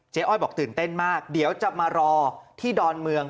อ้อยบอกตื่นเต้นมากเดี๋ยวจะมารอที่ดอนเมือง